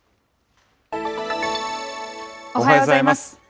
おはようございます。